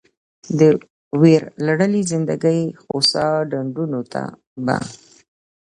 د ویرلړلې زندګي خوسا ډنډونو ته به